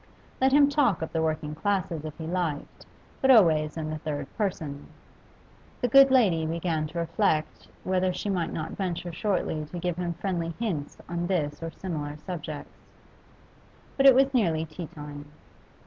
Let him talk of the working classes if he liked, but always in the third person. The good lady began to reflect whether she might not venture shortly to give him friendly hints on this and similar subjects. But it was nearly tea time.